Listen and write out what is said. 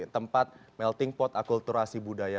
tempat melting pot akulturasi budaya